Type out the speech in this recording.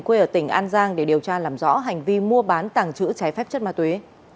quê ở tỉnh an giang để điều tra làm rõ hành vi mua bán tàng trữ trái phép chất ma túy